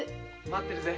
待ってるぜ！